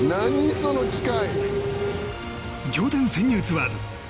その機械！